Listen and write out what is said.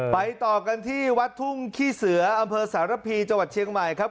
ต่อกันที่วัดทุ่งขี้เสืออำเภอสารพีจังหวัดเชียงใหม่ครับ